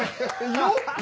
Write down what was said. よっ！